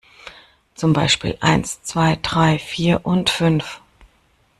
Zum Beispiel: Eins, zwei, drei, vier und fünf.